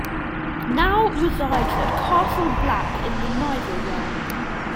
Now resides at Castle Black in the Neither Realm.